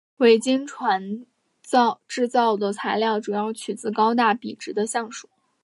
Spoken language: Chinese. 维京船制造的材料主要取自高大笔直的橡树。